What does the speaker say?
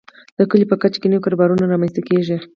د کليو په کچه نوي کاروبارونه رامنځته کیږي.